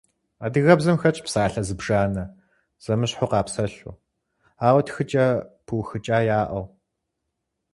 Адыгэбзэм хэтщ псалъэ зыбжанэ, зэмыщхьу къапсэлъу, ауэ тхыкӏэ пыухыкӏа яӏэу.